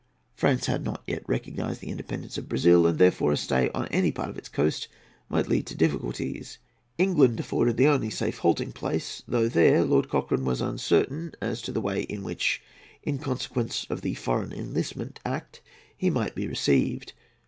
France had not yet recognised the independence of Brazil, and therefore a stay on any part of its coast might lead to difficulties. England afforded the only safe halting place, though there Lord Cochrane was uncertain as to the way in which, in consequence of the Foreign Enlistment Act, he might be received.